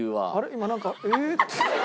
今なんか「ええ」って。